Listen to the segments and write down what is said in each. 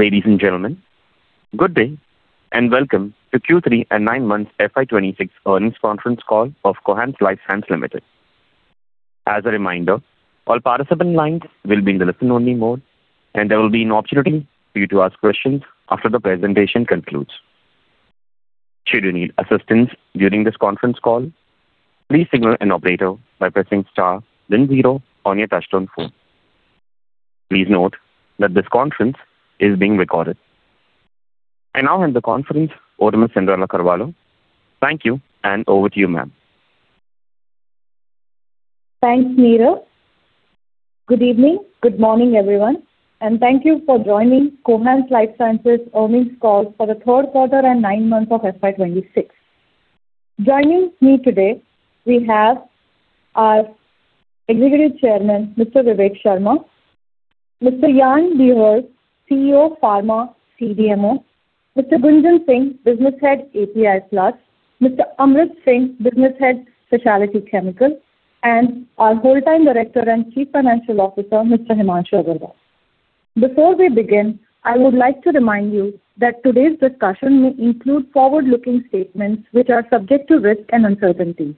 Ladies and gentlemen, good day, and welcome to Q3 and nine months FY 2026 earnings conference call of Cohance Lifesciences Limited. As a reminder, all participant lines will be in the listen-only mode, and there will be an opportunity for you to ask questions after the presentation concludes. Should you need assistance during this conference call, please signal an operator by pressing star, then zero on your touchtone phone. Please note that this conference is being recorded. I now hand the conference over to Cyndrella Carvalho. Thank you, and over to you, ma'am. Thanks, Neera. Good evening, good morning, everyone, and thank you for joining Cohance Lifesciences earnings call for the third quarter and nine months of FY 2026. Joining me today, we have our Executive Chairman, Mr. Vivek Sharma, Mr. Yann D’Herve, CEO, Pharma CDMO, Mr. Gunjan Singh, Business Head, API +, Mr. Amrit Singh, Business Head, Specialty Chemical, and our whole-time Director and Chief Financial Officer, Mr. Himanshu Agarwal. Before we begin, I would like to remind you that today's discussion may include forward-looking statements which are subject to risk and uncertainty.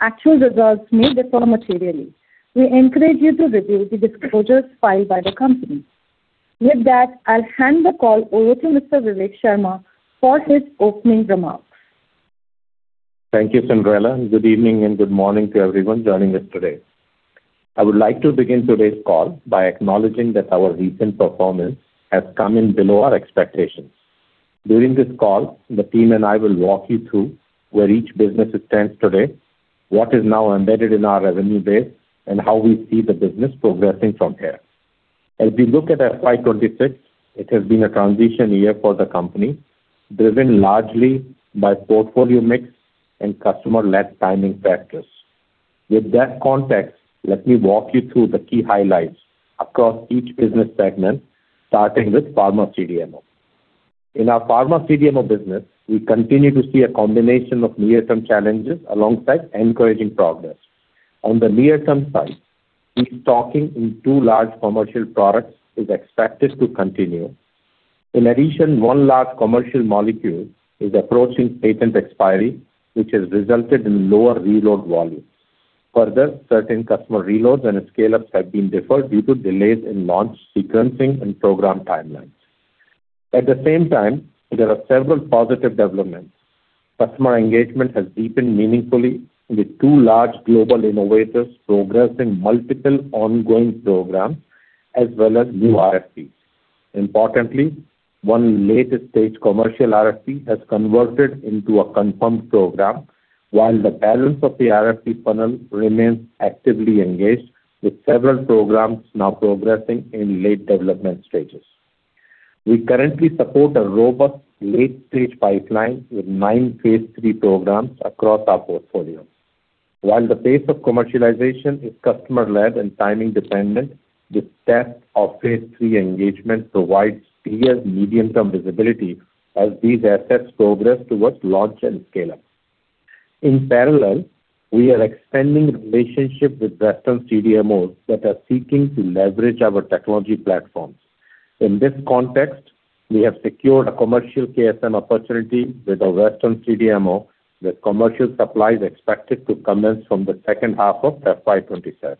Actual results may differ materially. We encourage you to review the disclosures filed by the company. With that, I'll hand the call over to Mr. Vivek Sharma for his opening remarks. Thank you, Cyndrella. Good evening, and good morning to everyone joining us today. I would like to begin today's call by acknowledging that our recent performance has come in below our expectations. During this call, the team and I will walk you through where each business stands today, what is now embedded in our revenue base, and how we see the business progressing from here. As we look at FY26, it has been a transition year for the company, driven largely by portfolio mix and customer-led timing factors. With that context, let me walk you through the key highlights across each business segment, starting with Pharma CDMO. In our Pharma CDMO business, we continue to see a combination of near-term challenges alongside encouraging progress. On the near-term side, restocking in two large commercial products is expected to continue. In addition, one large commercial molecule is approaching patent expiry, which has resulted in lower reload volumes. Further, certain customer reloads and scale-ups have been deferred due to delays in launch sequencing and program timelines. At the same time, there are several positive developments. Customer engagement has deepened meaningfully, with two large global innovators progressing multiple ongoing programs as well as new RFPs. Importantly, one late-stage commercial RFP has converted into a confirmed program, while the balance of the RFP funnel remains actively engaged, with several programs now progressing in late development stages. We currently support a robust late-stage pipeline with nine phase III programs across our portfolio. While the pace of commercialization is customer-led and timing dependent, the depth of phase III engagement provides clear medium-term visibility as these assets progress towards launch and scale-up. In parallel, we are expanding relationships with Western CDMOs that are seeking to leverage our technology platforms. In this context, we have secured a commercial KSM opportunity with a Western CDMO, with commercial supplies expected to commence from the second half of FY 2027.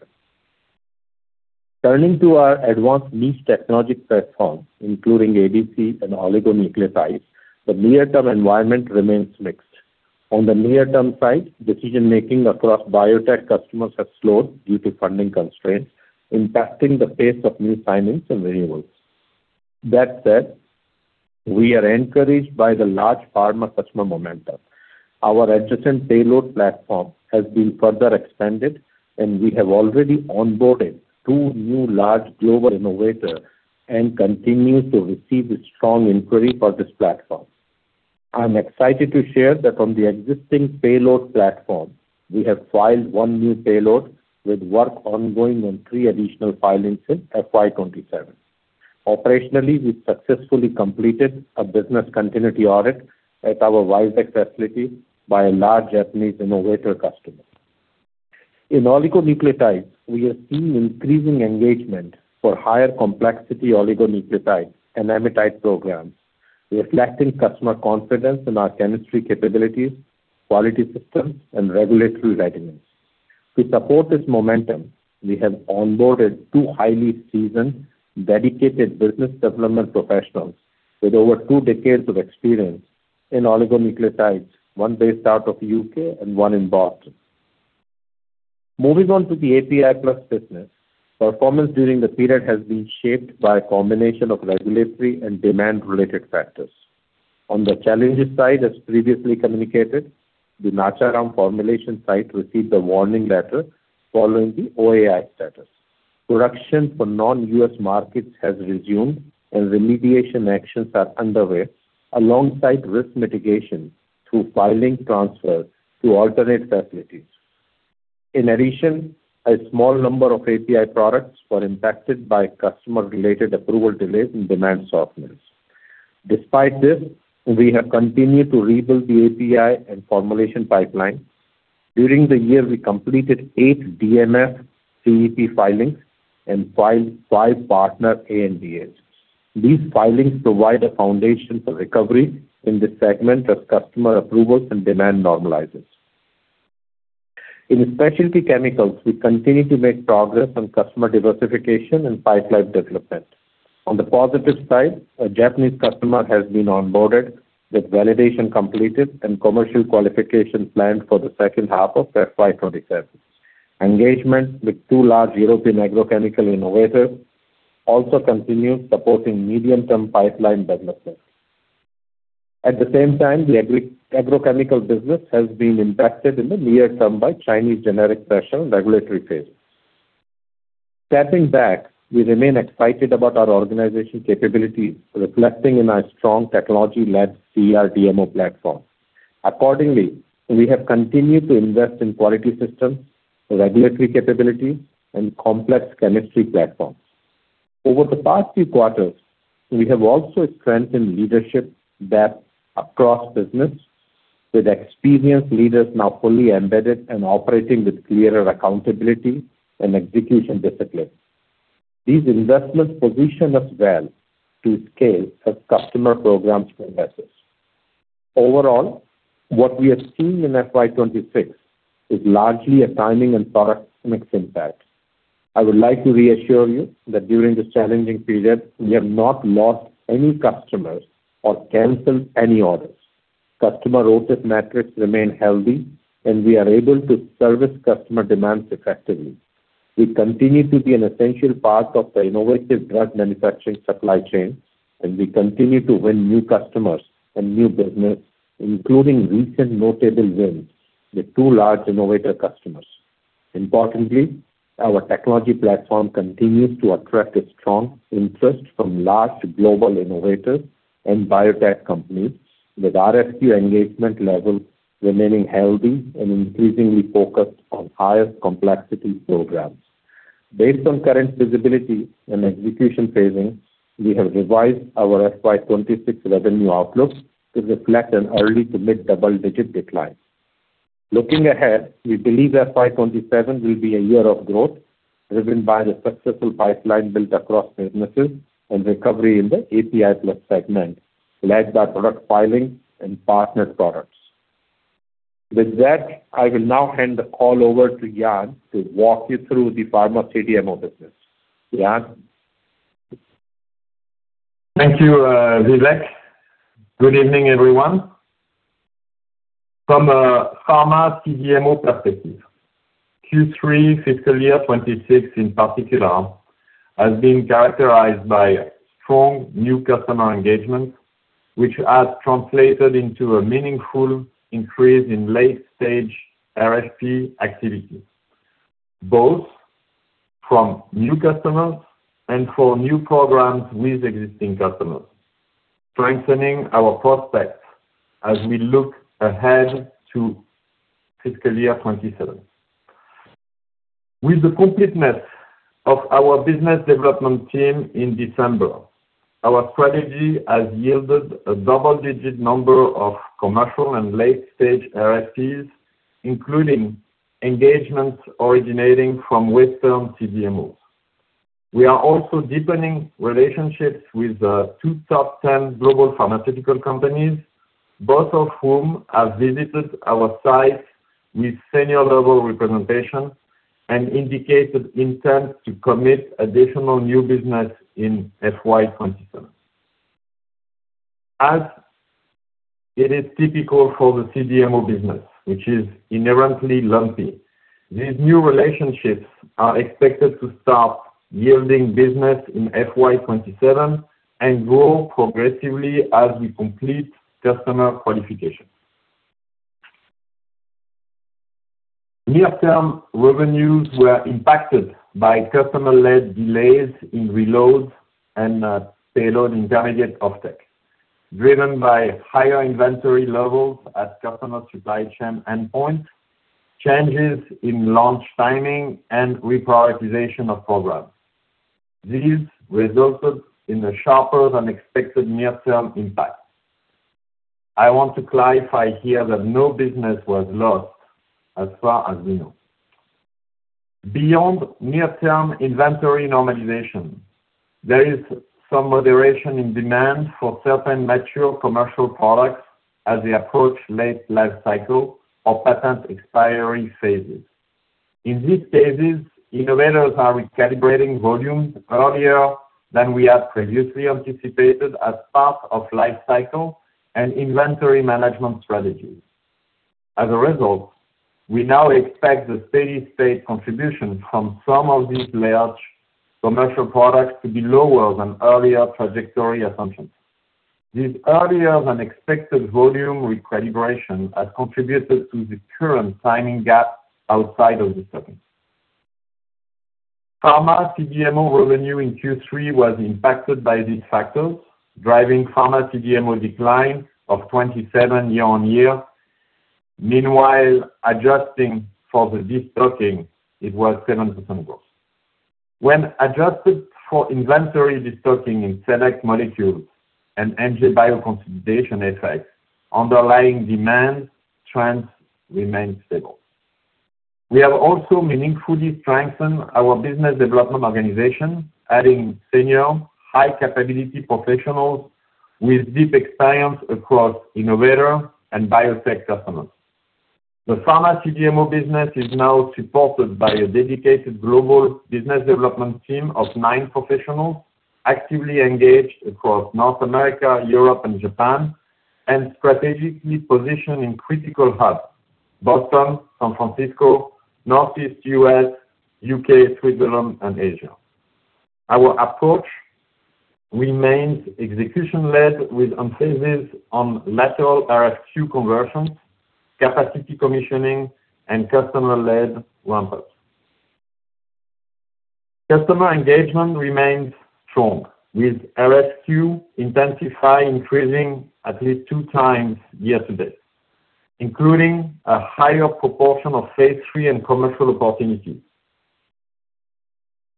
Turning to our advanced niche technology platforms, including ADC and oligonucleotide, the near-term environment remains mixed. On the near-term side, decision-making across biotech customers has slowed due to funding constraints, impacting the pace of new signings and renewals. That said, we are encouraged by the large pharma customer momentum. Our adjacent payload platform has been further expanded, and we have already onboarded two new large global innovators and continue to receive strong inquiry for this platform. I'm excited to share that on the existing payload platform, we have filed one new payload with work ongoing on three additional filings in FY 2027. Operationally, we successfully completed a business continuity audit at our Vizag facility by a large Japanese innovator customer. In oligonucleotides, we are seeing increasing engagement for higher complexity oligonucleotides and amidite programs, reflecting customer confidence in our chemistry capabilities, quality systems, and regulatory readiness. To support this momentum, we have onboarded two highly seasoned, dedicated business development professionals with over two decades of experience in oligonucleotides, one based out of U.K. and one in Boston. Moving on to the API Plus business. Performance during the period has been shaped by a combination of regulatory and demand-related factors. On the challenges side, as previously communicated, the Nacharam formulation site received a warning letter following the OAI status. Production for non-U.S. markets has resumed, and remediation actions are underway, alongside risk mitigation through filing transfers to alternate facilities. In addition, a small number of API products were impacted by customer-related approval delays and demand softness. Despite this, we have continued to rebuild the API and formulation pipeline. During the year, we completed eight DMF CEP filings and filed five partner ANDAs. These filings provide a foundation for recovery in this segment as customer approvals and demand normalizes. In specialty chemicals, we continue to make progress on customer diversification and pipeline development. On the positive side, a Japanese customer has been onboarded, with validation completed and commercial qualification planned for the second half of FY 2027. Engagement with two large European agrochemical innovators also continues, supporting medium-term pipeline development. At the same time, the agri-agrochemical business has been impacted in the near term by Chinese generic pressure and regulatory phase. Stepping back, we remain excited about our organization capabilities, reflecting in our strong technology-led CRDMO platform. Accordingly, we have continued to invest in quality systems, regulatory capability, and complex chemistry platforms. Over the past few quarters, we have also strengthened leadership depth across business, with experienced leaders now fully embedded and operating with clearer accountability and execution discipline. These investments position us well to scale as customer programs progress. Overall, what we are seeing in FY 2026 is largely a timing and product mix impact. I would like to reassure you that during this challenging period, we have not lost any customers or canceled any orders. Customer orders metrics remain healthy, and we are able to service customer demands effectively. We continue to be an essential part of the innovative drug manufacturing supply chain, and we continue to win new customers and new business, including recent notable wins with two large innovator customers. Importantly, our technology platform continues to attract a strong interest from large global innovators and biotech companies, with RFQ engagement levels remaining healthy and increasingly focused on higher complexity programs. Based on current visibility and execution phasing, we have revised our FY 2026 revenue outlook to reflect an early to mid-double-digit decline. Looking ahead, we believe FY 2027 will be a year of growth, driven by the successful pipeline built across businesses and recovery in the API plus segment, led by product filings and partner products. With that, I will now hand the call over to Yann to walk you through the pharma CDMO business. Yann? Thank you, Vivek. Good evening, everyone. From a pharma CDMO perspective, Q3 fiscal year 2026 in particular has been characterized by strong new customer engagement, which has translated into a meaningful increase in late-stage RFP activity, both from new customers and for new programs with existing customers, strengthening our prospects as we look ahead to fiscal year 2027. With the completeness of our business development team in December, our strategy has yielded a double-digit number of commercial and late-stage RFPs, including engagements originating from Western CDMOs. We are also deepening relationships with two top ten global pharmaceutical companies, both of whom have visited our site with senior-level representation and indicated intent to commit additional new business in FY 2027. As it is typical for the CDMO business, which is inherently lumpy, these new relationships are expected to start yielding business in FY27 and grow progressively as we complete customer qualification. Near-term revenues were impacted by customer-led delays in reloads and payload intermediate off tech, driven by higher inventory levels at customer supply chain endpoint, changes in launch timing, and reprioritization of programs. These resulted in a sharper than expected near-term impact. I want to clarify here that no business was lost as far as we know. Beyond near-term inventory normalization, there is some moderation in demand for certain mature commercial products as they approach late life cycle or patent expiry phases. In these cases, innovators are recalibrating volumes earlier than we had previously anticipated as part of life cycle and inventory management strategies. As a result, we now expect the steady state contribution from some of these large commercial products to be lower than earlier trajectory assumptions. This earlier than expected volume recalibration has contributed to the current timing gap outside of the segment. Pharma CDMO revenue in Q3 was impacted by these factors, driving pharma CDMO decline of 27% year-on-year. Meanwhile, adjusting for the destocking, it was 7% growth. When adjusted for inventory destocking in select molecules and NJ Bio consolidation effects, underlying demand trends remain stable. We have also meaningfully strengthened our business development organization, adding senior, high-capability professionals with deep experience across innovator and biotech customers. The pharma CDMO business is now supported by a dedicated global business development team of nine professionals, actively engaged across North America, Europe, and Japan, and strategically positioned in critical hubs, Boston, San Francisco, Northeast U.S., U.K., Switzerland, and Asia. Our approach remains execution-led, with emphasis on lateral RFQ conversions, capacity commissioning, and customer-led ramp-ups. Customer engagement remains strong, with RFQ intensity increasing at least 2 times year-to-date, including a higher proportion of phase III and commercial opportunities.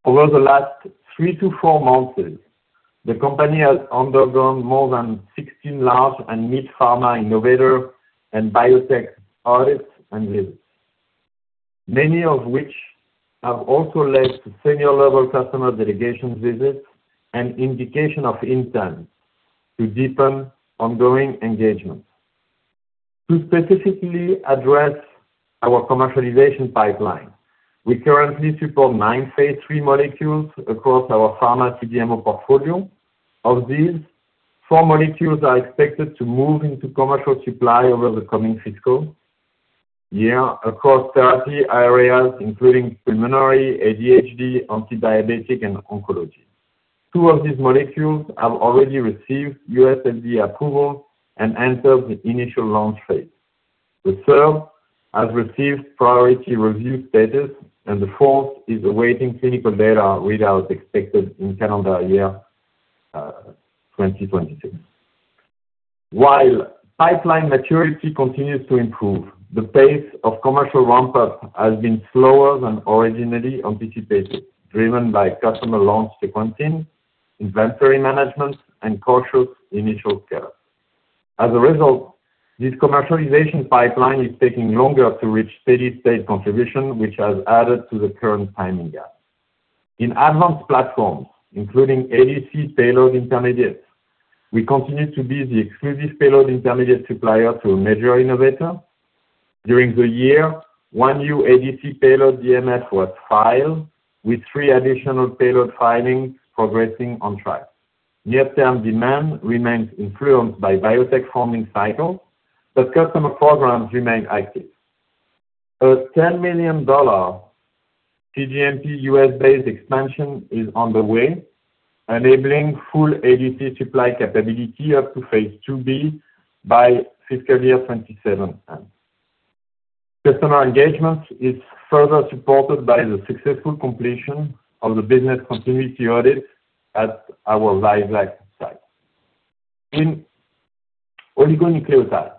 Over the last 3-4 months, the company has undergone more than 16 large and mid-pharma innovator and biotech audits and lists, many of which have also led to senior-level customer delegation visits and indication of intent to deepen ongoing engagement. To specifically address our commercialization pipeline, we currently support nine phase III molecules across our pharma CDMO portfolio. Of these, nine molecules are expected to move into commercial supply over the coming fiscal year across therapy areas, including pulmonary, ADHD, antidiabetic, and oncology. Two of these molecules have already received US FDA approval and entered the initial launch phase. The third has received priority review status, and the fourth is awaiting clinical data readout, expected in calendar year 2022. While pipeline maturity continues to improve, the pace of commercial ramp-up has been slower than originally anticipated, driven by customer launch sequencing, inventory management, and cautious initial care. As a result, this commercialization pipeline is taking longer to reach steady state contribution, which has added to the current timing gap. In advanced platforms, including ADC payload intermediates, we continue to be the exclusive payload intermediate supplier to a major innovator. During the year, one new ADC payload DMF was filed, with three additional payload filings progressing on track. Near-term demand remains influenced by biotech funding cycles, but customer programs remain active. A $10 million cGMP US-based expansion is on the way, enabling full ADC supply capability up to phase IIb by fiscal year 2027. Customer engagement is further supported by the successful completion of the business continuity audit at our Vizag site. In oligonucleotides,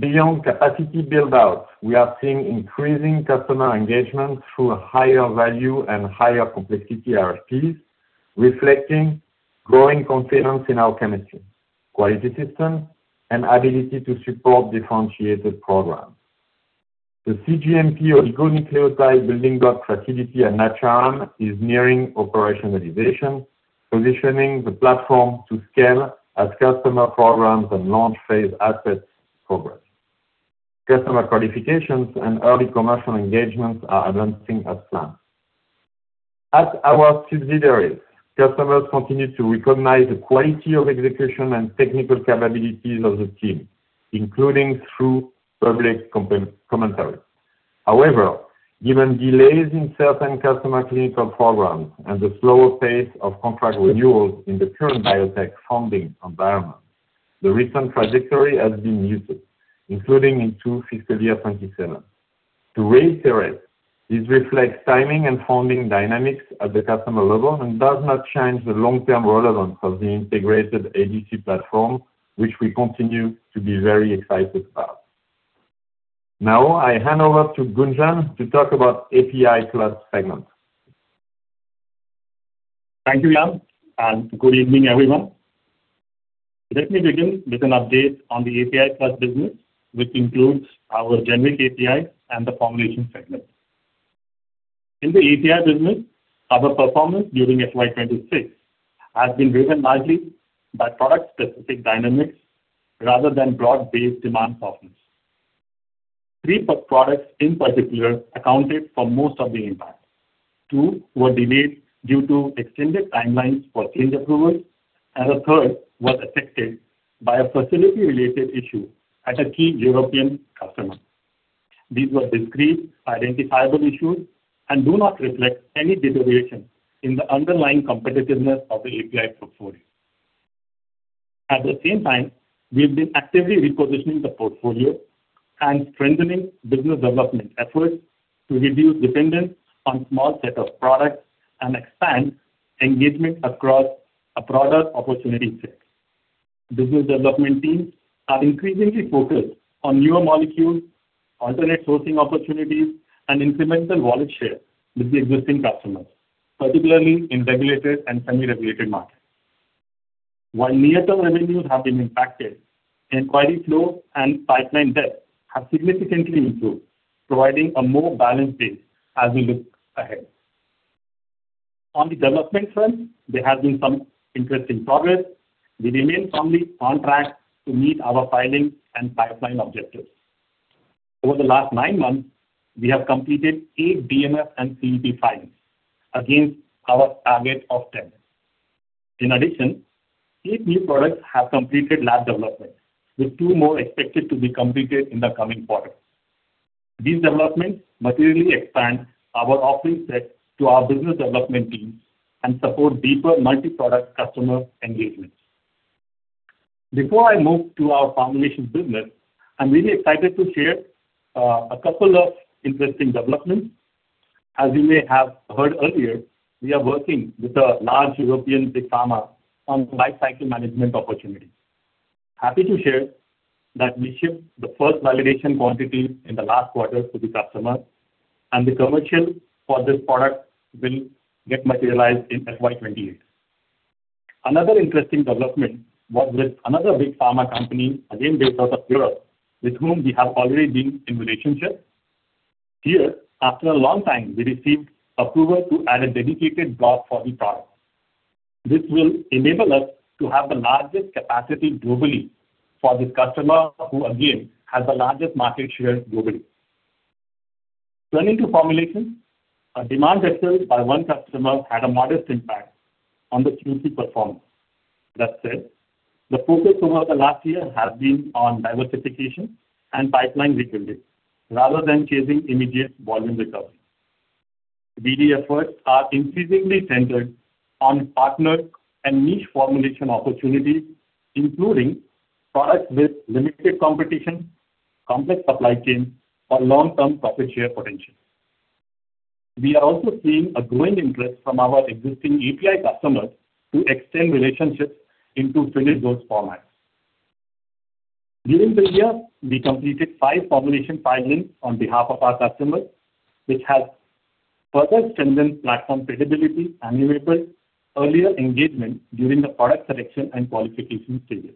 beyond capacity build-out, we are seeing increasing customer engagement through higher value and higher complexity RFPs, reflecting growing confidence in our chemistry, quality system, and ability to support differentiated programs. The cGMP oligonucleotide building block facility at Nacharam is nearing operationalization, positioning the platform to scale as customer programs and launch phase assets progress. Customer qualifications and early commercial engagements are advancing as planned. At our subsidiaries, customers continue to recognize the quality of execution and technical capabilities of the team, including through public commentary. However, given delays in certain customer clinical programs and the slower pace of contract renewals in the current biotech funding environment, the recent trajectory has been muted, including into fiscal year 2027. To reiterate, this reflects timing and funding dynamics at the customer level and does not change the long-term relevance of the integrated ADC platform, which we continue to be very excited about. Now I hand over to Gunjan to talk about API plus segment. Thank you, Yann, and good evening, everyone. Let me begin with an update on the API Plus business, which includes our generic APIs and the formulation segment. In the API business, our performance during FY 2026 has been driven largely by product-specific dynamics rather than broad-based demand softness. Three products, in particular, accounted for most of the impact. Two were delayed due to extended timelines for change approvals, and a third was affected by a facility-related issue at a key European customer. These were discrete, identifiable issues and do not reflect any deterioration in the underlying competitiveness of the API portfolio. At the same time, we've been actively repositioning the portfolio and strengthening business development efforts to reduce dependence on small set of products and expand engagement across a broader opportunity set. Business development teams are increasingly focused on newer molecules, alternate sourcing opportunities, and incremental volume share with the existing customers, particularly in regulated and semi-regulated markets. While near-term revenues have been impacted, inquiry flow and pipeline depth have significantly improved, providing a more balanced base as we look ahead. On the development front, there has been some interesting progress. We remain firmly on track to meet our filing and pipeline objectives. Over the last nine months, we have completed eight DMF and CEP filings against our target of 10. In addition, eight new products have completed lab development, with two more expected to be completed in the coming quarter. These developments materially expand our offering set to our business development team and support deeper multi-product customer engagements. Before I move to our formulation business, I'm really excited to share a couple of interesting developments. As you may have heard earlier, we are working with a large European big pharma on life cycle management opportunity. Happy to share that we shipped the first validation quantity in the last quarter to the customer, and the commercial for this product will get materialized in FY28. Another interesting development was with another big pharma company, again, based out of Europe, with whom we have already been in relationship. Here, after a long time, we received approval to add a dedicated block for the product. This will enable us to have the largest capacity globally for this customer, who again, has the largest market share globally. Turning to formulation, a demand reset by one customer had a modest impact on the Q3 performance. That said, the focus over the last year has been on diversification and pipeline rebuilding rather than chasing immediate volume recovery. BD efforts are increasingly centered on partner and niche formulation opportunities, including products with limited competition, complex supply chain, or long-term profit share potential. We are also seeing a growing interest from our existing API customers to extend relationships into finished goods formats. During the year, we completed five formulation filings on behalf of our customers, which has further strengthened platform credibility and enabled earlier engagement during the product selection and qualification stage.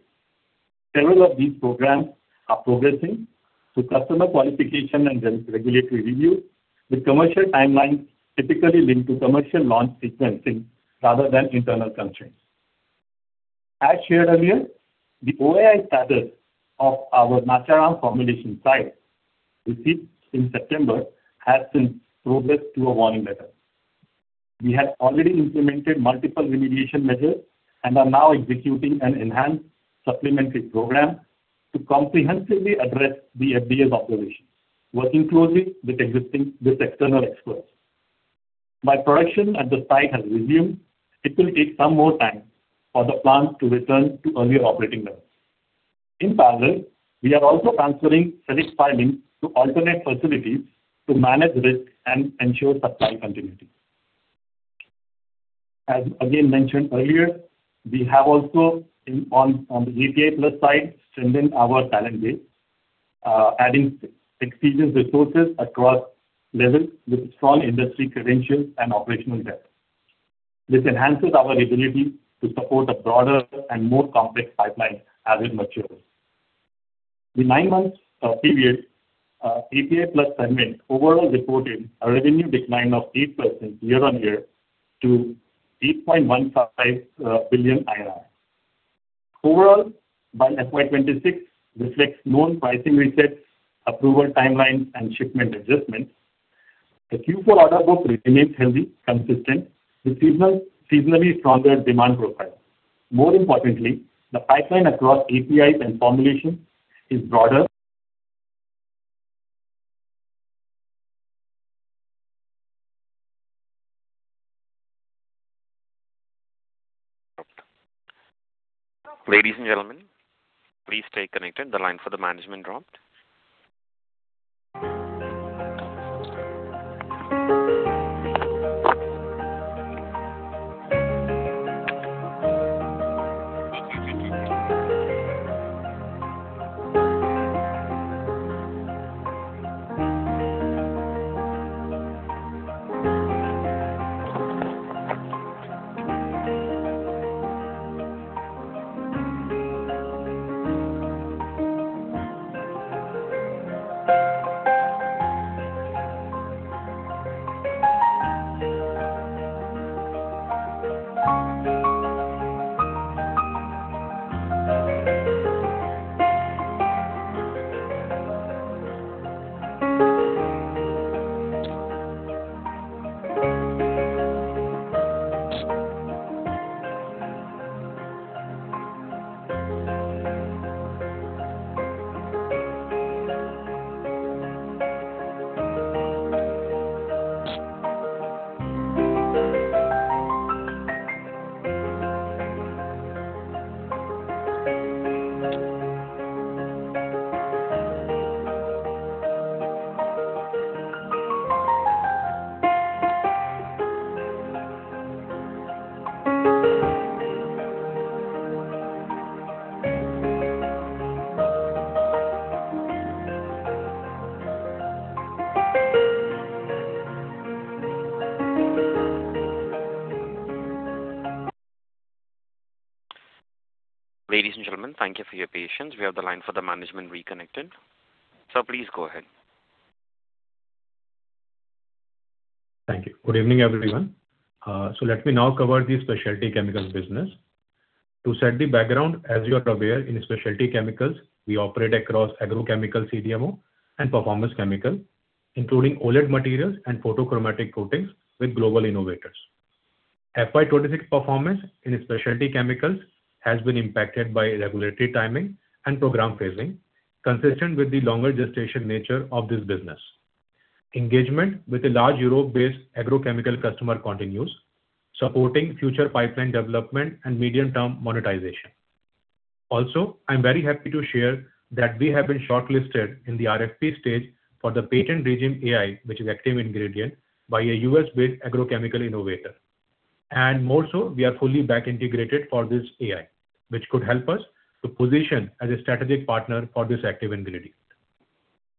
Several of these programs are progressing through customer qualification and then regulatory review, with commercial timelines typically linked to commercial launch sequencing rather than internal constraints. As shared earlier, the OAI status of our Nacharam formulation site received in September has since progressed to a warning letter. We have already implemented multiple remediation measures and are now executing an enhanced supplementary program to comprehensively address the FDA's observations, working closely with external experts. While production at the site has resumed, it will take some more time for the plant to return to earlier operating levels. In parallel, we are also transferring finished filings to alternate facilities to manage risk and ensure supply continuity. As again mentioned earlier, we have also on the API Plus side strengthened our talent base, adding experienced resources across levels with strong industry credentials and operational depth. This enhances our ability to support a broader and more complex pipeline as it matures. The nine-month period, API Plus segment overall reported a revenue decline of 8% year-on-year to INR 8.15 billion. Overall, while FY 2026 reflects known pricing resets, approval timelines, and shipment adjustments, the Q4 order book remains healthy, consistent with seasonally stronger demand profile. More importantly, the pipeline across APIs and formulation is broader. Ladies and gentlemen, please stay connected. The line for the management dropped. Ladies and gentlemen, thank you for your patience. We have the line for the management reconnected. Sir, please go ahead. Thank you. Good evening, everyone. So let me now cover the specialty chemicals business. To set the background, as you are aware, in specialty chemicals, we operate across agrochemical CDMO and performance chemical, including OLED materials and photochromatic coatings with global innovators. FY 2026 performance in specialty chemicals has been impacted by regulatory timing and program phasing, consistent with the longer gestation nature of this business. Engagement with a large Europe-based agrochemical customer continues, supporting future pipeline development and medium-term monetization. Also, I'm very happy to share that we have been shortlisted in the RFP stage for the patent regime AI, which is active ingredient, by a U.S.-based agrochemical innovator. And more so, we are fully back integrated for this AI, which could help us to position as a strategic partner for this active ingredient.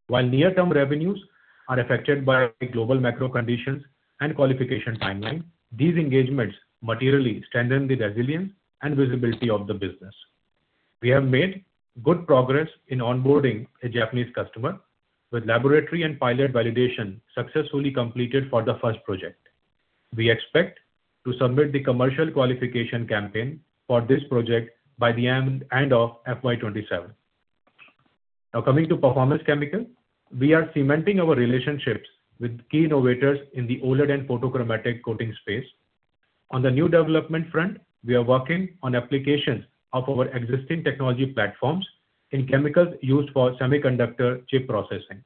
While near-term revenues are affected by global macro conditions and qualification timeline, these engagements materially strengthen the resilience and visibility of the business. We have made good progress in onboarding a Japanese customer, with laboratory and pilot validation successfully completed for the first project. We expect to submit the commercial qualification campaign for this project by the end of FY 2027. Now, coming to performance chemical. We are cementing our relationships with key innovators in the OLED and photochromatic coating space. On the new development front, we are working on applications of our existing technology platforms in chemicals used for semiconductor chip processing.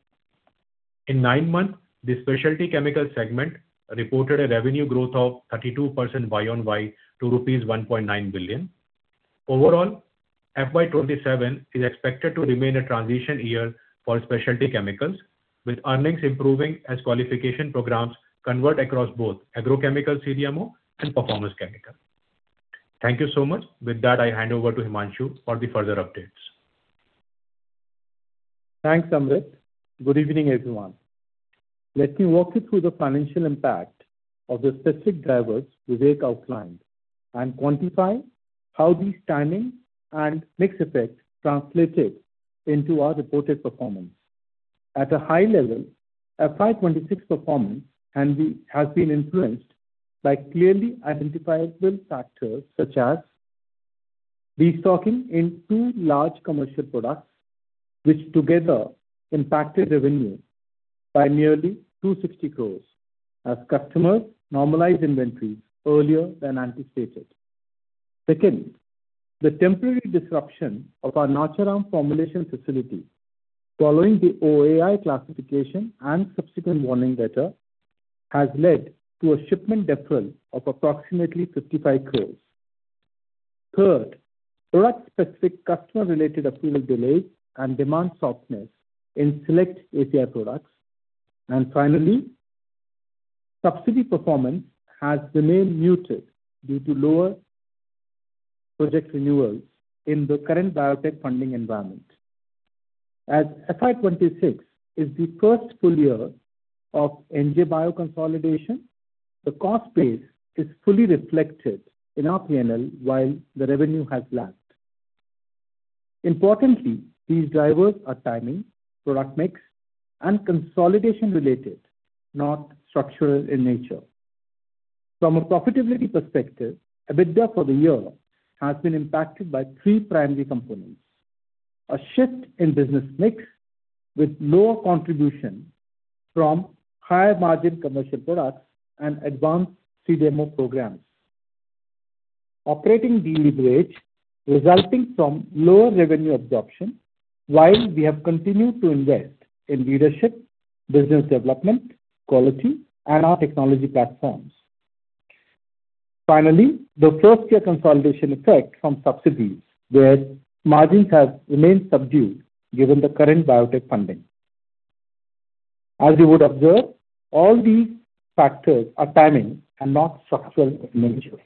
In 9 months, the specialty chemical segment reported a revenue growth of 32% year-on-year to rupees 1.9 billion. Overall, FY 2027 is expected to remain a transition year for specialty chemicals, with earnings improving as qualification programs convert across both agrochemical CDMO and performance chemical. Thank you so much. With that, I hand over to Himanshu for the further updates. Thanks, Amrit. Good evening, everyone. Let me walk you through the financial impact of the specific drivers Vivek outlined, and quantify how these timing and mix effects translated into our reported performance. At a high level, FY 2026 performance has been influenced by clearly identifiable factors, such as destocking in two large commercial products, which together impacted revenue by nearly 260 crore as customers normalized inventories earlier than anticipated. Second, the temporary disruption of our Nacharam formulation facility following the OAI classification and subsequent warning letter, has led to a shipment deferral of approximately 55 crore. Third, product-specific customer-related approval delays and demand softness in select API products. And finally, subsidiary performance has remained muted due to lower project renewals in the current biotech funding environment. As FY 2026 is the first full year of NJ Bio consolidation, the cost base is fully reflected in our PNL, while the revenue has lagged. Importantly, these drivers are timing, product mix, and consolidation related, not structural in nature. From a profitability perspective, EBITDA for the year has been impacted by three primary components: A shift in business mix with lower contribution from higher-margin commercial products and advanced CDMO programs. Operating deleverage resulting from lower revenue absorption, while we have continued to invest in leadership, business development, quality, and our technology platforms. Finally, the first-year consolidation effect from subsidiaries, where margins have remained subdued given the current biotech funding. As you would observe, all these factors are timing and not structural in nature.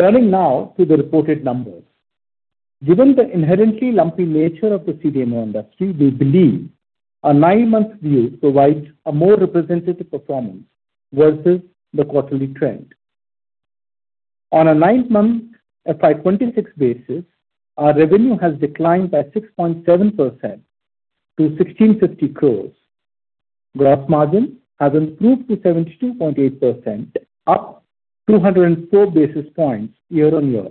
Turning now to the reported numbers. Given the inherently lumpy nature of the CDMO industry, we believe a nine month view provides a more representative performance versus the quarterly trend. On a nine month FY 2026 basis, our revenue has declined by 6.7% to 1,650 crores. Gross margin has improved to 72.8%, up 204 basis points year-on-year,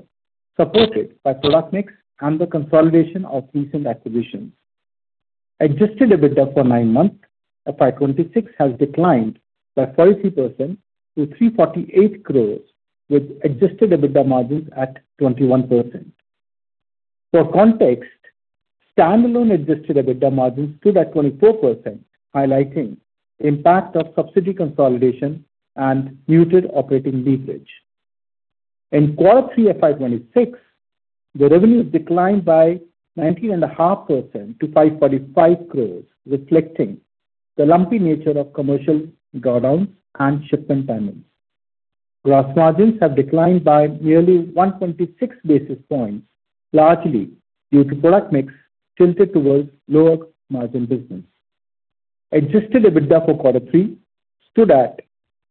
supported by product mix and the consolidation of recent acquisitions. Adjusted EBITDA for nine months, FY 2026, has declined by 40% to 348 crores, with Adjusted EBITDA margins at 21%. For context, standalone Adjusted EBITDA margins stood at 24%, highlighting impact of subsidiary consolidation and muted operating leverage. In quarter three of FY 2026, the revenues declined by 19.5% to 545 crores, reflecting the lumpy nature of commercial handovers and shipment timings. Gross margins have declined by nearly 126 basis points, largely due to product mix tilted towards lower margin business. Adjusted EBITDA for quarter three stood at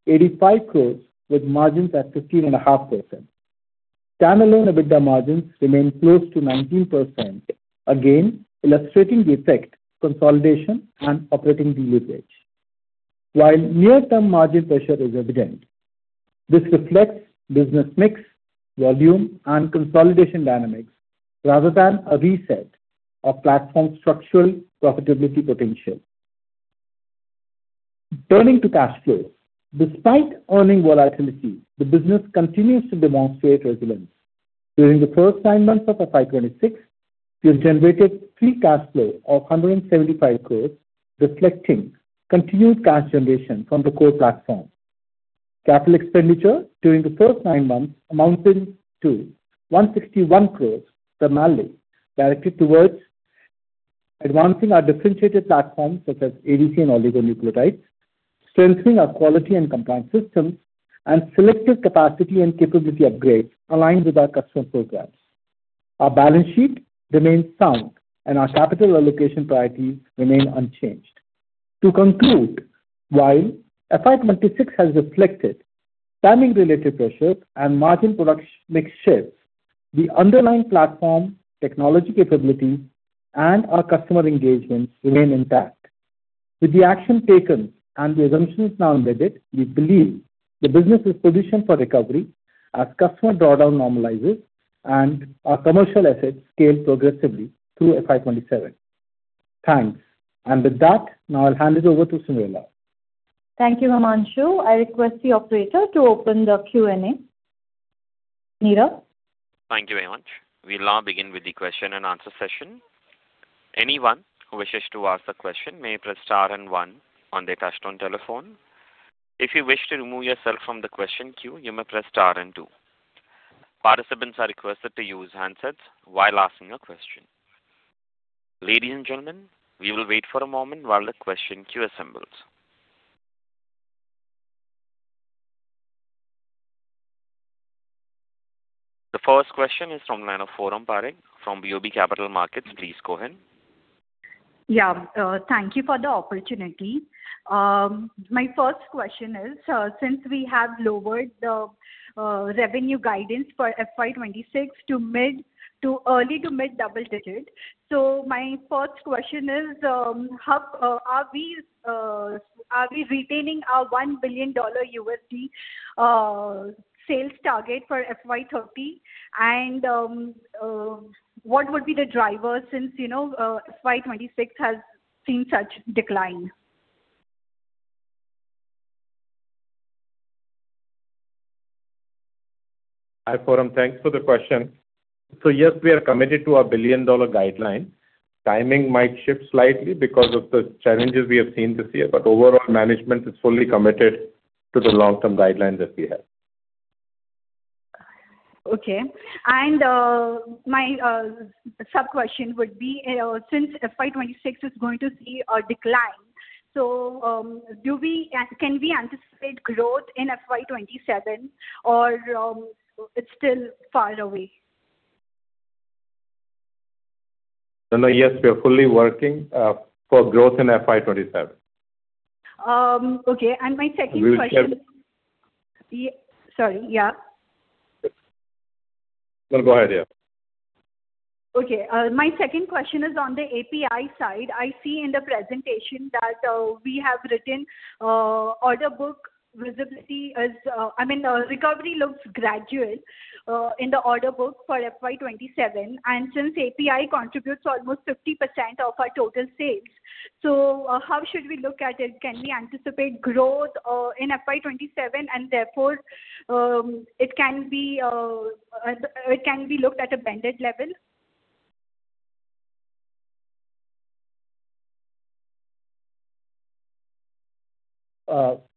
85 crores, with margins at 15.5%. Standalone EBITDA margins remain close to 19%, again illustrating the effect, consolidation, and operating leverage. While near-term margin pressure is evident, this reflects business mix, volume, and consolidation dynamics rather than a reset of platform structural profitability potential. Turning to cash flow. Despite earning volatility, the business continues to demonstrate resilience. During the first nine months of FY 2026, we have generated free cash flow of 175 crores, reflecting continued cash generation from the core platform. Capital expenditure during the first nine months amounted to 161 crore, primarily directed towards advancing our differentiated platforms, such as ADC and oligonucleotides, strengthening our quality and compliance systems, and selective capacity and capability upgrades aligned with our customer programs. Our balance sheet remains sound, and our capital allocation priorities remain unchanged. To conclude, while FY 2026 has reflected timing-related pressure and margin product mix shift, the underlying platform, technology capability, and our customer engagements remain intact. With the action taken and the assumptions now embedded, we believe the business is positioned for recovery as customer drawdown normalizes and our commercial assets scale progressively through FY 2027. Thanks. And with that, now I'll hand it over to Cyndrella. Thank you, Himanshu. I request the operator to open the Q and A. Neera? Thank you, Himanshu. We'll now begin with the question-and-answer session. Anyone who wishes to ask a question may press star and one on their touchtone telephone. If you wish to remove yourself from the question queue, you may press star and two. Participants are requested to use handsets while asking a question. Ladies and gentlemen, we will wait for a moment while the question queue assembles. The first question is from the line of Forum Parekh, from BOB Capital Markets. Please go ahead. Yeah, thank you for the opportunity. My first question is, since we have lowered the revenue guidance for FY 2026 to early- to mid-double-digit. So my first question is, how are we retaining our $1 billion sales target for FY 2030? And, what would be the driver since, you know, FY 2026 has seen such decline? Hi, Forum. Thanks for the question. So yes, we are committed to our billion-dollar guideline. Timing might shift slightly because of the challenges we have seen this year, but overall, management is fully committed to the long-term guidelines that we have. Okay. And my sub-question would be, since FY 2026 is going to see a decline, so, do we, can we anticipate growth in FY 2027, or it's still far away? No, no, yes, we are fully working for growth in FY 2027. Okay, and my second question— We will get— Yeah. Sorry. Yeah. No, go ahead. Yeah. Okay, my second question is on the API side. I see in the presentation that we have written order book visibility as, I mean, recovery looks gradual in the order book for FY 2027, and since API contributes almost 50% of our total sales, so how should we look at it? Can we anticipate growth in FY 2027, and therefore, it can be, it can be looked at a blended level?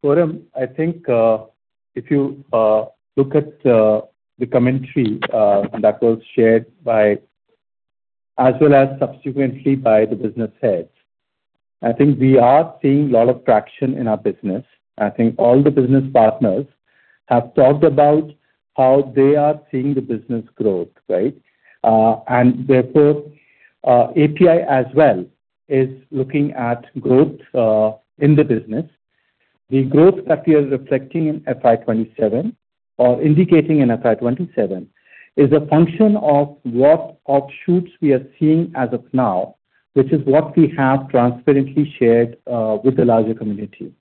Forum, I think, if you look at the commentary that was shared by, as well as subsequently by the business heads, I think we are seeing a lot of traction in our business. I think all the business partners have talked about how they are seeing the business growth, right? And therefore, API as well is looking at growth in the business. The growth that we are reflecting in FY 2027 or indicating in FY 2027 is a function of what offshoots we are seeing as of now, which is what we have transparently shared with the larger community.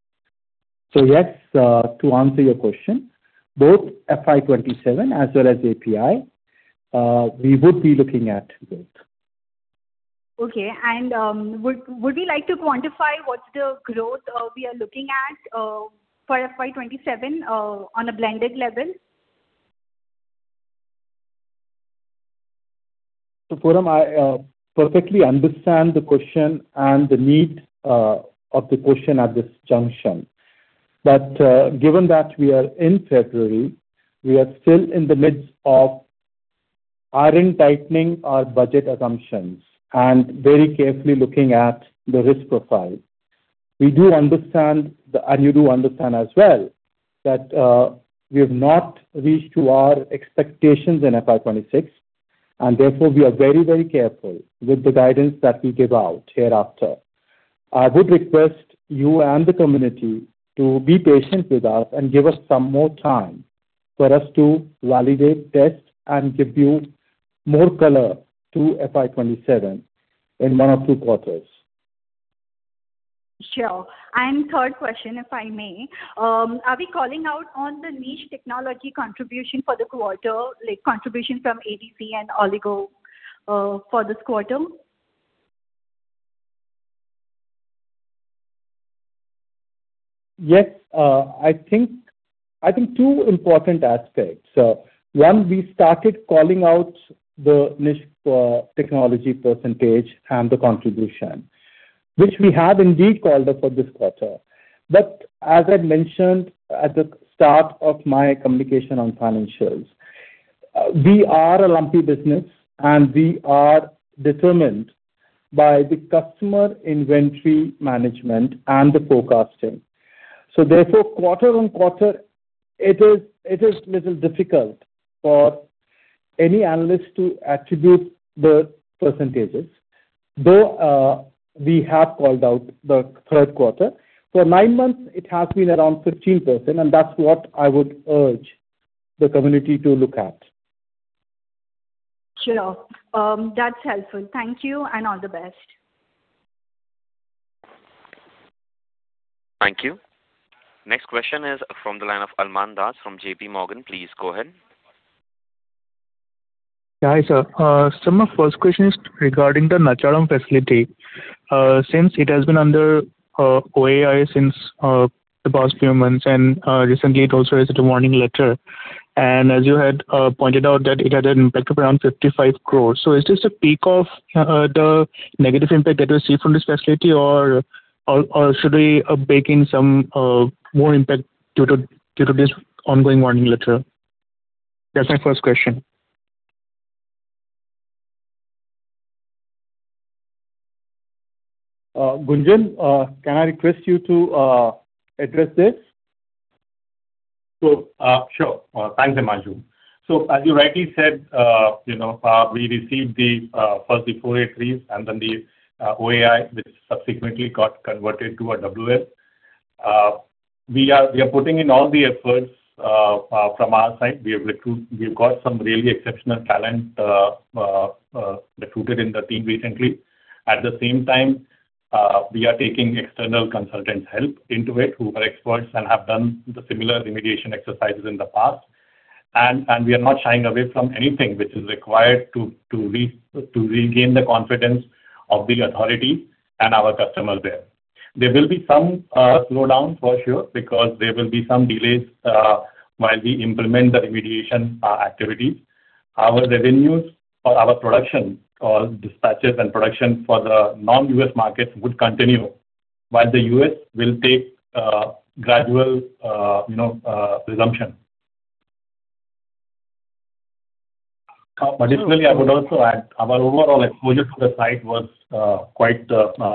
So yes, to answer your question, both FY 2027 as well as API, we would be looking at growth. Okay. Would you like to quantify what's the growth we are looking at for FY 2027 on a blended level? So Foram, I perfectly understand the question and the need of the question at this juncture. But, given that we are in February, we are still in the midst of our in tightening our budget assumptions and very carefully looking at the risk profile. We do understand, and you do understand as well, that we have not reached to our expectations in FY 2026, and therefore we are very, very careful with the guidance that we give out hereafter. I would request you and the community to be patient with us and give us some more time for us to validate, test, and give you more color to FY 2027 in one or two quarters. Sure. Third question, if I may. Are we calling out on the niche technology contribution for the quarter, like contribution from ADC and Oligo, for this quarter? Yes. I think two important aspects. So one, we started calling out the niche technology percentage and the contribution, which we have indeed called up for this quarter. But as I mentioned at the start of my communication on financials, we are a lumpy business, and we are determined by the customer inventory management and the forecasting. So therefore, quarter-on-quarter, it is a little difficult for any analyst to attribute the percentages, though we have called out the third quarter. For nine months, it has been around 15%, and that's what I would urge the community to look at. Sure. That's helpful. Thank you, and all the best. Thank you. Next question is from the line of Amlan Das from JPMorgan. Please go ahead. Yeah. Hi, sir. So my first question is regarding the Nacharam facility. Since it has been under OAI since the past few months, and recently it also received a warning letter. As you had pointed out that it had an impact of around 55 crore. So is this a peak of the negative impact that we see from this facility, or should we bake in some more impact due to this ongoing warning letter? That's my first question. Gunjan, can I request you to address this? So, sure. Thanks, Himanshu. So as you rightly said, you know, we received the first the 483s and then the OAI, which subsequently got converted to a WL. We are putting in all the efforts from our side. We've got some really exceptional talent recruited in the team recently. At the same time, we are taking external consultants' help into it, who are experts and have done the similar remediation exercises in the past. And we are not shying away from anything which is required to regain the confidence of the authority and our customers there. There will be some slowdown for sure, because there will be some delays while we implement the remediation activities. Our revenues or our production, or dispatches and production for the non-U.S. markets would continue, while the U.S. will take a gradual, you know, resumption. Additionally, I would also add, our overall exposure to the site was, quite,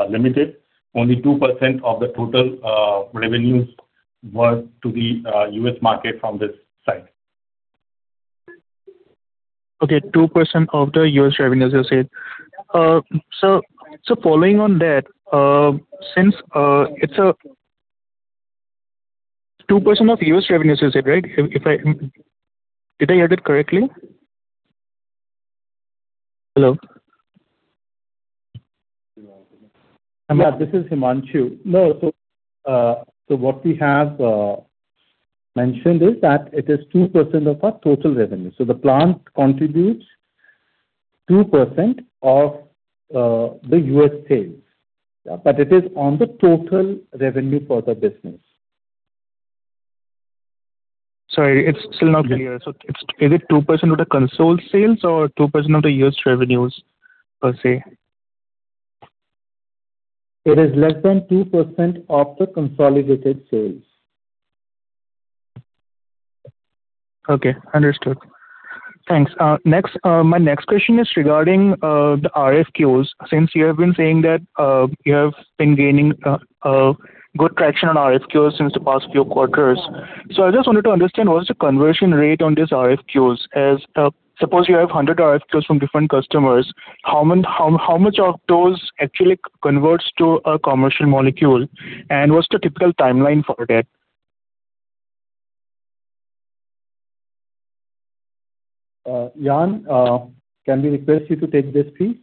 limited. Only 2% of the total revenues were to the U.S. market from this site. Okay, 2% of the U.S. revenues, you said. So, following on that, since, 2% of U.S. revenues you said, right? If I, did I hear that correctly? Hello? Yeah, this is Himanshu. No, so, so what we have mentioned is that it is 2% of our total revenue. So the plant contributes 2% of the U.S. sales, but it is on the total revenue for the business. Sorry, it's still not clear. So it's, is it 2% of the console sales or 2% of the U.S. revenues, per se? It is less than 2% of the consolidated sales. Okay, understood. Thanks. Next, my next question is regarding the RFQs. Since you have been saying that you have been gaining good traction on RFQs since the past few quarters. So I just wanted to understand, what is the conversion rate on these RFQs? As suppose you have 100 RFQs from different customers, how many, how much of those actually converts to a commercial molecule, and what's the typical timeline for that? Yann, can we request you to take this, please?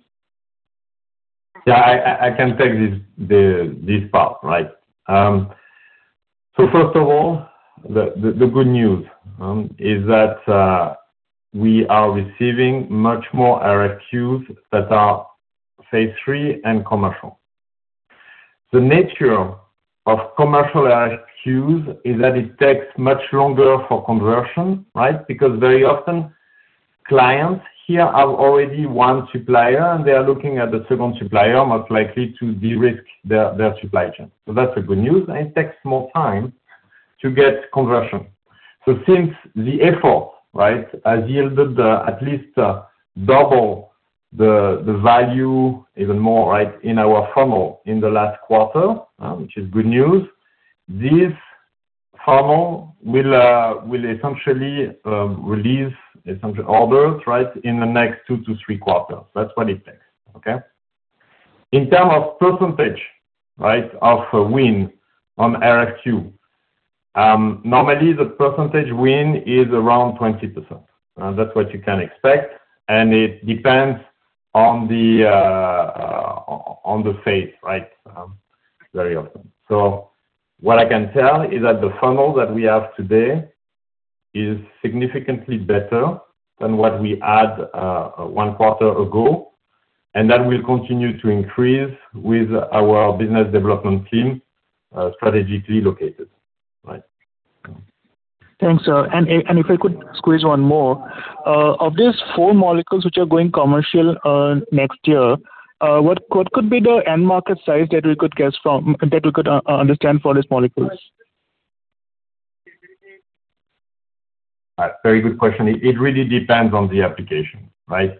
Yeah, I can take this part, right. So first of all, the good news is that we are receiving much more RFQs that are phase III and commercial. The nature of commercial RFQs is that it takes much longer for conversion, right? Because very often, clients here have already one supplier, and they are looking at the second supplier, most likely to de-risk their supply chain. So that's good news, and it takes more time to get conversion. So since the effort, right, has yielded at least double the value even more, right, in our funnel in the last quarter, which is good news. This funnel will essentially release essential orders, right, in the next two to three quarters. That's what it takes, okay? In terms of percentage, right, of win on RFQ, normally the percentage win is around 20%. That's what you can expect, and it depends on the on the phase, right? Very often. So what I can tell is that the funnel that we have today is significantly better than what we had one quarter ago, and that will continue to increase with our business development team strategically located. Right. Thanks, sir. And if I could squeeze one more. Of these four molecules which are going commercial next year, what could be the end market size that we could guess from, that we could understand for these molecules? Very good question. It really depends on the application, right?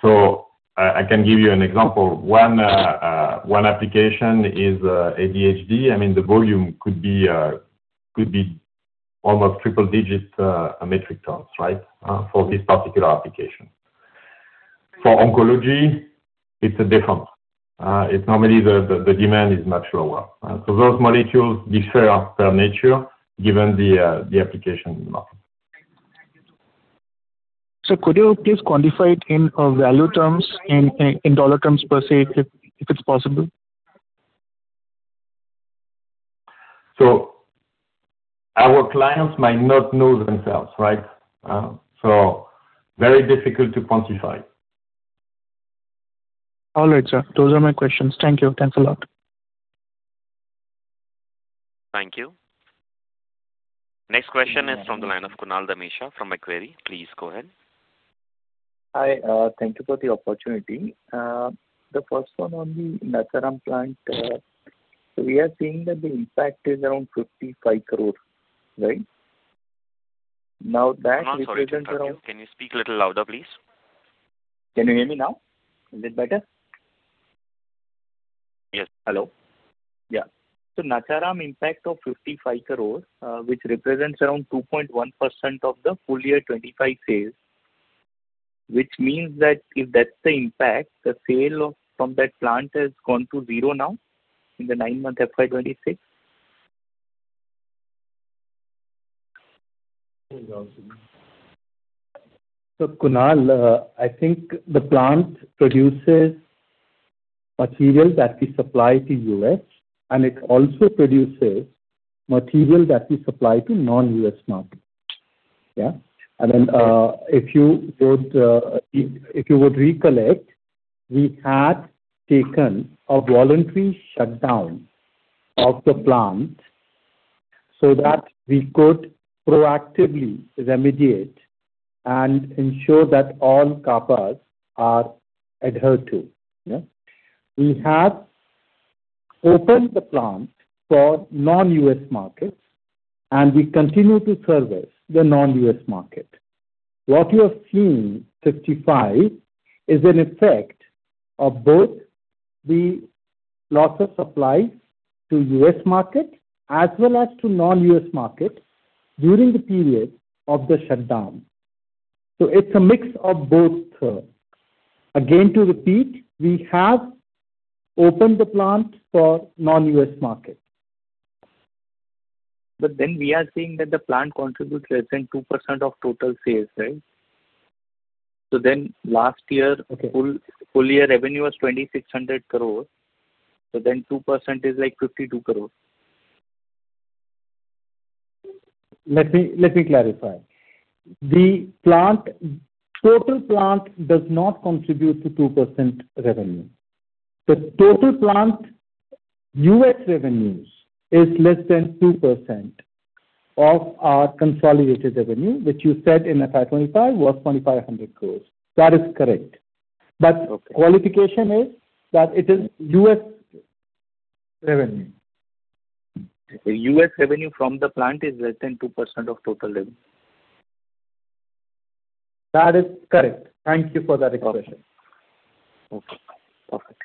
So I can give you an example. One application is ADHD. I mean, the volume could be almost triple digits metric tons, right, for this particular application. For oncology, it's different. It's normally the demand is much lower. So those molecules differ per nature, given the application in the market. Could you please quantify it in value terms, in dollar terms per se, if it's possible? So our clients might not know themselves, right? Very difficult to quantify. All right, sir. Those are my questions. Thank you. Thanks a lot. Thank you. Next question is from the line of Kunal Dhamesha from Macquarie. Please go ahead. Hi, thank you for the opportunity. The first one on the Nacharam plant, we are seeing that the impact is around 55 crore, right? Now, that represents around— I'm sorry to interrupt you. Can you speak a little louder, please? Can you hear me now? Is it better? Yes. Hello. Yeah. So Nacharam impact of 55 crore, which represents around 2.1% of the full year 2025 sales, which means that if that's the impact, the sales from that plant has gone to zero now in the nine-month FY 2026? So, Kunal, I think the plant produces material that we supply to U.S., and it also produces material that we supply to non-U.S. market. Yeah. And then, if you would recollect, we had taken a voluntary shutdown of the plant so that we could proactively remediate and ensure that all CAPAs are adhered to. Yeah? We have opened the plant for non-U.S. markets, and we continue to service the non-U.S. market. What you are seeing, 55, is an effect of both the loss of supply to U.S. market as well as to non-U.S. market during the period of the shutdown. So it's a mix of both terms. Again, to repeat, we have opened the plant for non-U.S. market. But then we are seeing that the plant contributes less than 2% of total sales, right? So then last year— Okay. Full year revenue was 2,600 crore. 2% is like 52 crore. Let me clarify. The plant, total plant does not contribute to 2% revenue. The total plant U.S. revenues is less than 2% of our consolidated revenue, which you said in FY 2025 was 2,500 crore. That is correct. Okay. Qualification is that it is U.S. revenue. The U.S. revenue from the plant is less than 2% of total revenue? That is correct. Thank you for that question. Okay. Perfect.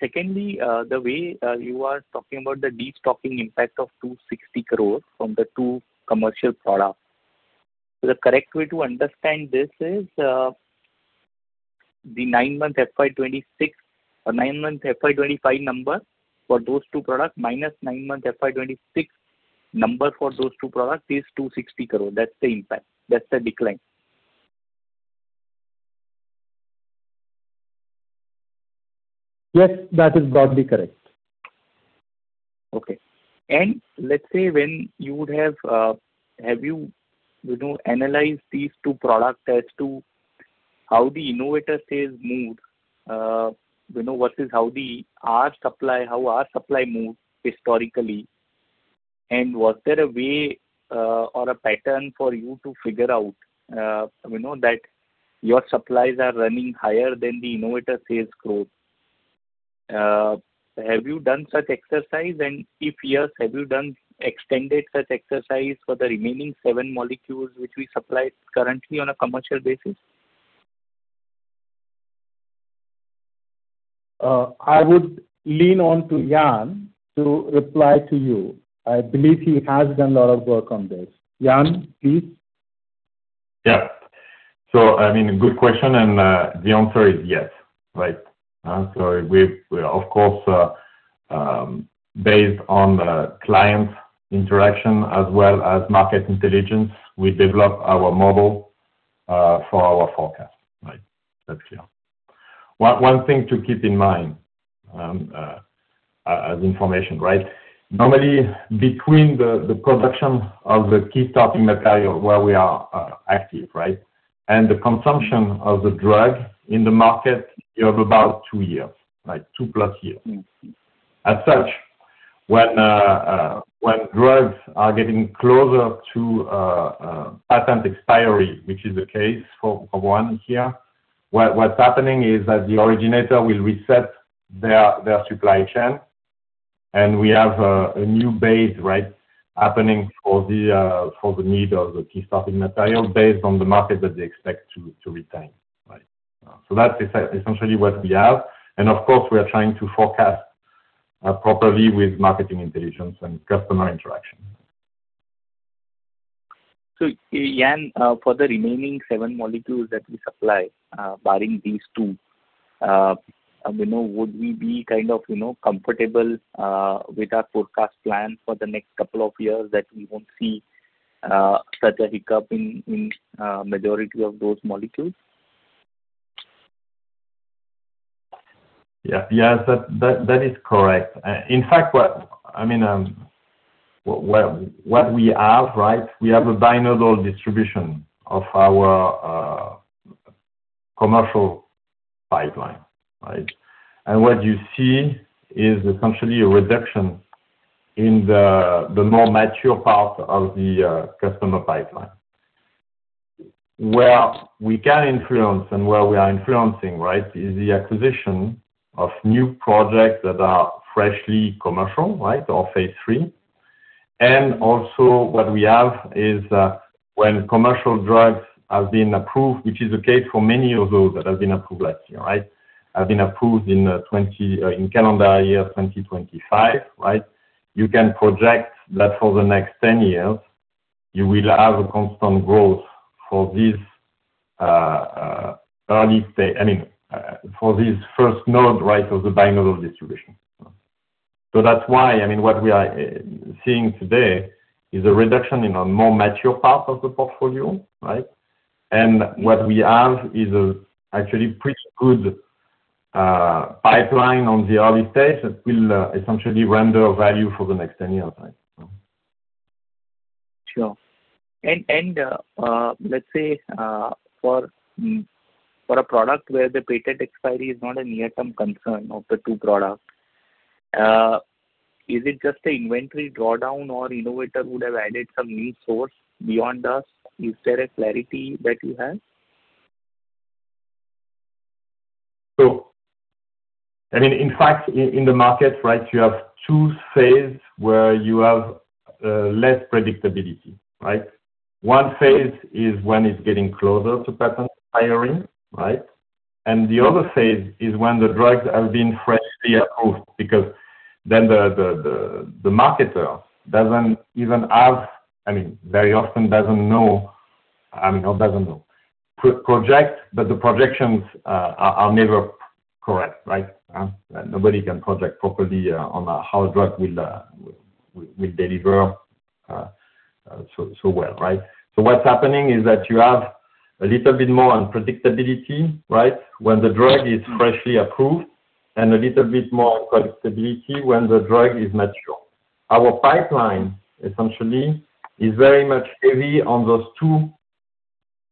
Secondly, the way you are talking about the destocking impact of 260 crore from the two commercial products. So the correct way to understand this is, the nine month FY 2026 or nine month FY 2025 number for those two products, minus nine month FY 2026 number for those two products is 260 crore. That's the impact. That's the decline. Yes, that is broadly correct. Okay. And let's say when you would have have you, you know, analyzed these two products as to how the innovator sales move, you know, versus how our supply, how our supply moved historically? And was there a way, or a pattern for you to figure out, you know, that your supplies are running higher than the innovator sales growth? Have you done such exercise? And if yes, have you done extended such exercise for the remaining seven molecules, which we supply currently on a commercial basis? I would lean on to Yann to reply to you. I believe he has done a lot of work on this. Yann, please. Yeah. So, I mean, a good question, and the answer is yes, right? So we, of course, based on the client interaction as well as market intelligence, we develop our model for our forecast, right? That's clear. One thing to keep in mind, as information, right? Normally, between the production of the key starting material where we are active, right? And the consumption of the drug in the market, you have about two years, like 2+ years. Mm-hmm. As such, when drugs are getting closer to patent expiry, which is the case for one here, what's happening is that the originator will reset their supply chain, and we have a new base, right, happening for the need of the key starting material based on the market that they expect to retain, right? That's essentially what we have. Of course, we are trying to forecast properly with marketing intelligence and customer interaction. So, Yann, for the remaining seven molecules that we supply, barring these two, you know, would we be kind of, you know, comfortable with our forecast plan for the next couple of years that we won't see such a hiccup in majority of those molecules? Yeah. Yes, that is correct. In fact, I mean, what we have, right? We have a binodal distribution of our commercial pipeline, right? And what you see is essentially a reduction in the more mature part of the customer pipeline. Where we can influence and where we are influencing, right, is the acquisition of new projects that are freshly commercial, right, or phase III. And also what we have is when commercial drugs have been approved, which is the case for many of those that have been approved last year, right? Have been approved in calendar year 2025, right? You can project that for the next 10 years, you will have a constant growth for this, I mean, for this first node, right, of the binodal distribution. So that's why, I mean, what we are seeing today is a reduction in a more mature part of the portfolio, right? And what we have is actually pretty good pipeline on the early stage that will essentially render value for the next 10 years, right, so. Sure. Let's say, for a product where the patent expiry is not a near-term concern of the two products, is it just the inventory drawdown or innovator would have added some new source beyond us? Is there a clarity that you have? So, I mean, in fact, in the market, right, you have two phases where you have less predictability, right? One phase is when it's getting closer to patent expiry, right? And the other phase is when the drugs have been freshly approved, because then the marketer doesn't even have. I mean, very often doesn't know, I mean, or doesn't know, but the projections are never correct, right? Nobody can project properly on how a drug will deliver so well, right? So what's happening is that you have a little bit more unpredictability, right, when the drug is freshly approved, and a little bit more predictability when the drug is mature. Our pipeline essentially is very much heavy on those two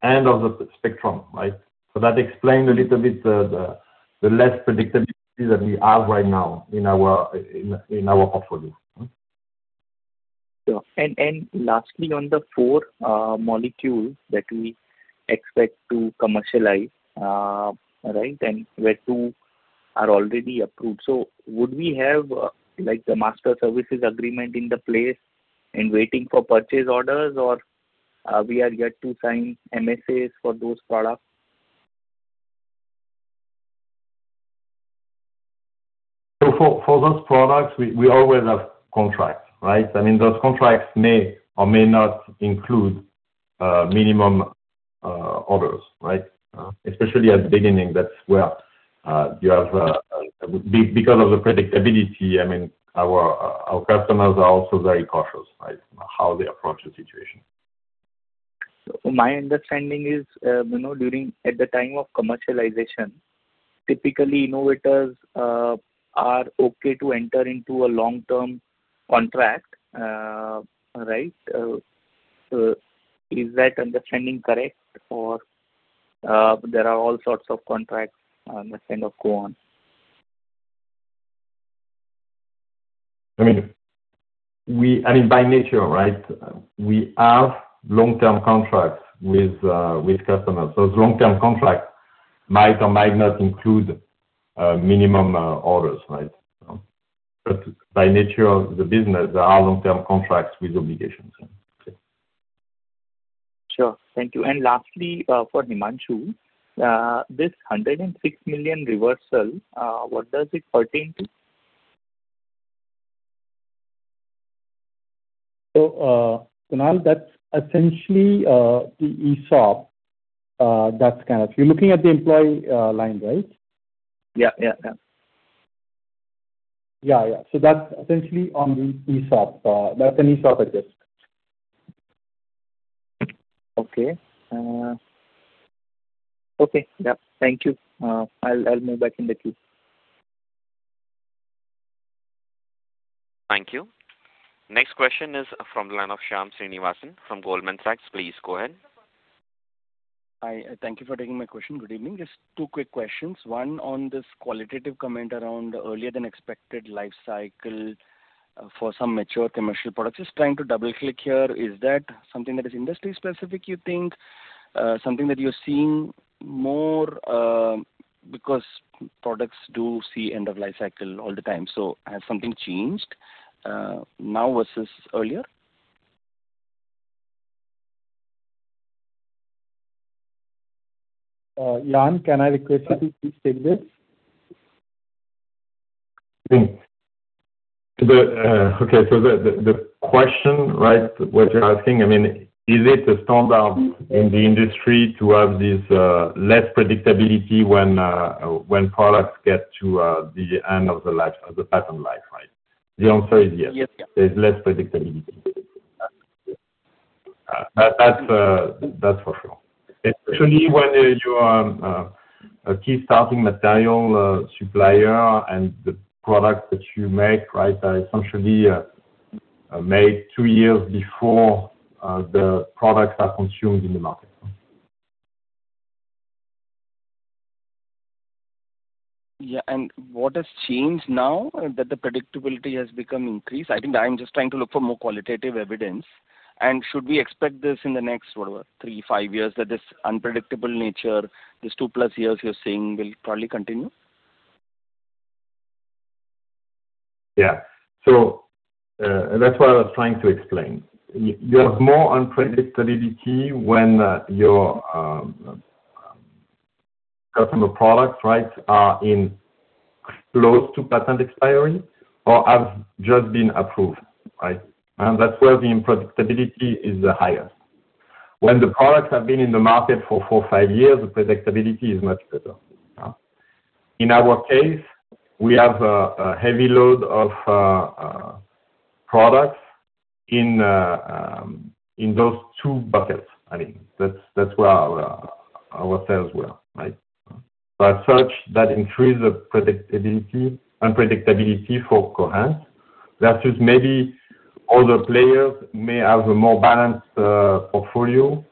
end of the spectrum, right? So that explains a little bit the less predictability that we have right now in our portfolio. Sure. And lastly, on the four molecules that we expect to commercialize, right? And where two are already approved. So would we have like the master services agreement in place and waiting for purchase orders, or we are yet to sign MSAs for those products? So for those products, we always have contracts, right? I mean, those contracts may or may not include minimum orders, right? Especially at the beginning, that's where you have because of the predictability, I mean, our customers are also very cautious, right? How they approach the situation. My understanding is, you know, during at the time of commercialization, typically innovators are okay to enter into a long-term contract, right? Is that understanding correct or there are all sorts of contracts that kind of go on? I mean, by nature, right? We have long-term contracts with customers. Those long-term contracts might or might not include minimum orders, right? But by nature of the business, there are long-term contracts with obligations, yeah. Sure. Thank you. And lastly, for Himanshu, this 106 million reversal, what does it pertain to? So, Kunal, that's essentially the ESOP, that's kind of. You're looking at the employee line, right? Yeah, yeah, yeah. Yeah, yeah. So that's essentially on the ESOP. That's an ESOP adjust. Okay. Okay, yeah. Thank you. I'll move back in the queue. Thank you. Next question is from the line of Shyam Srinivasan from Goldman Sachs. Please go ahead. Hi, thank you for taking my question. Good evening. Just two quick questions. One on this qualitative comment around earlier than expected life cycle for some mature commercial products. Just trying to double-click here, is that something that is industry specific, you think? Something that you're seeing more, because products do see end of life cycle all the time. So has something changed, now versus earlier? Yann, can I request you to take this? Mm-hmm. Okay, so the question, right, what you're asking, I mean, is it a standard in the industry to have this when products get to the end of the life of the patent life, right? The answer is yes. Yes, yeah. There's less predictability. That's for sure. Especially when you are a key starting material supplier, and the products that you make, right, are essentially made two years before the products are consumed in the market. Yeah, and what has changed now that the predictability has become increased? I think I'm just trying to look for more qualitative evidence. And should we expect this in the next, whatever, three, five years, that this unpredictable nature, these two-plus years you're seeing, will probably continue? Yeah. So, that's what I was trying to explain. You have more unpredictability when your customer products, right, are in close to patent expiry or have just been approved, right? And that's where the unpredictability is the highest. When the products have been in the market for four, five years, the predictability is much better. In our case, we have a heavy load of products in those two buckets. I mean, that's where our sales were, right? But as such, that increase the unpredictability for Cohance. That is maybe other players may have a more balanced portfolio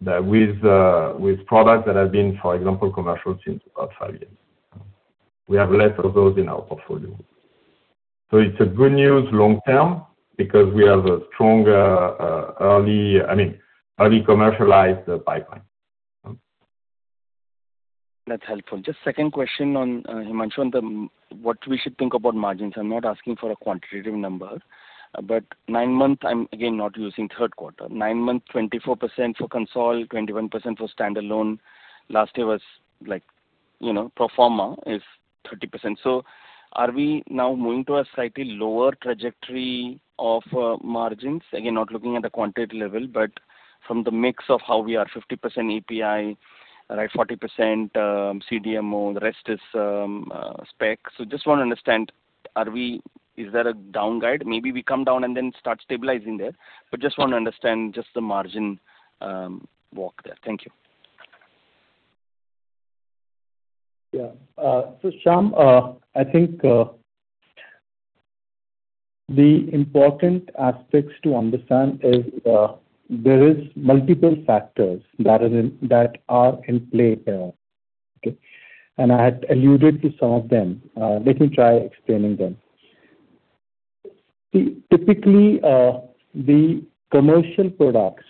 that with products that have been, for example, commercial since about five years. We have less of those in our portfolio. So it's good news long term, because we have a stronger early, I mean, early commercialized pipeline. That's helpful. Just second question on Himanshu, on what we should think about margins. I'm not asking for a quantitative number, but nine months, I'm again not using third quarter. Nine months, 24% for consol, 21% for standalone. Last year was like, you know, pro forma is 30%. So are we now moving to a slightly lower trajectory of margins? Again, not looking at the qualitative level, but from the mix of how we are 50% API, right? 40% CDMO, the rest is spec. So just want to understand, are we—is there a down guide? Maybe we come down and then start stabilizing there, but just want to understand just the margin walk there. Thank you. Yeah. So Shyam, I think, the important aspects to understand is, there is multiple factors that is in, that are in play there. Okay? And I had alluded to some of them. Let me try explaining them. See, typically, the commercial products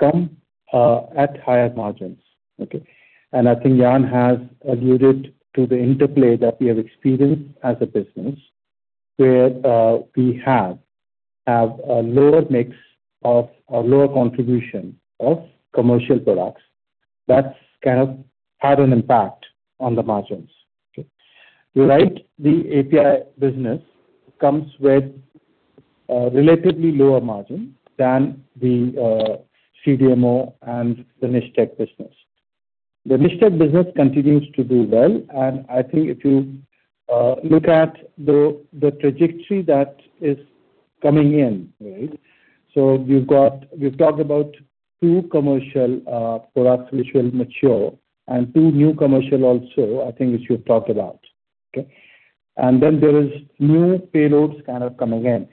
come, at higher margins, okay? And I think Yann has alluded to the interplay that we have experienced as a business, where, we have a lower mix of, a lower contribution of commercial products. That's kind of had an impact on the margins, okay? Right, the API business comes with, relatively lower margin than the, CDMO and the niche tech business. The niche tech business continues to do well, and I think if you, look at the, the trajectory that is coming in, right? So we've talked about two commercial products which will mature and two new commercial also, I think we should talk about, okay? And then there is new payloads kind of coming in.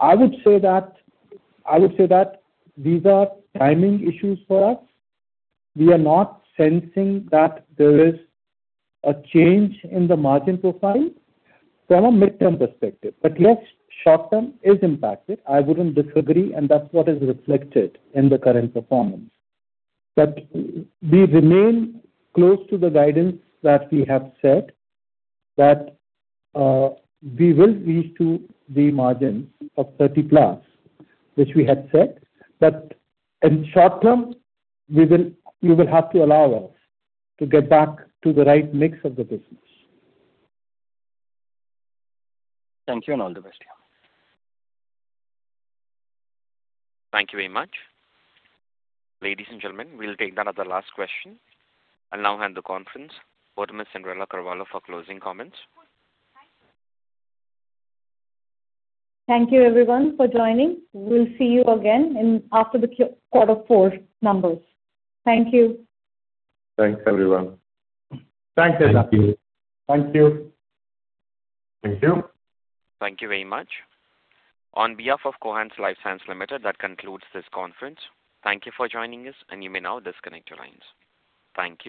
I would say that these are timing issues for us. We are not sensing that there is a change in the margin profile from a midterm perspective, but yes, short term is impacted. I wouldn't disagree, and that's what is reflected in the current performance. But we remain close to the guidance that we have set, that we will reach to the margin of 30+, which we had set, but in short term, we will. You will have to allow us to get back to the right mix of the business. Thank you, and all the best to you. Thank you very much. Ladies and gentlemen, we'll take that as the last question. I'll now hand the conference over to Ms. Cyndrella Carvalho for closing comments. Thank you, everyone, for joining. We'll see you again after the quarter four numbers. Thank you. Thanks, everyone. Thanks, Cyndrella. Thank you. Thank you. Thank you. Thank you very much. On behalf of Cohance Lifesciences Limited, that concludes this conference. Thank you for joining us, and you may now disconnect your lines. Thank you.